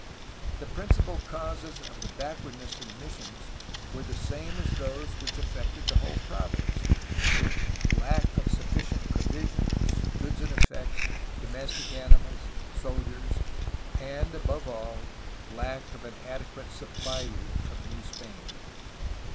The principal causes of the backwardness of the missions were the same as those which affected the whole province, — lack of sufficient provisions, goods and effects, domestic animals, soldiers, and, above all, lack of an adequate supply route from New Spain.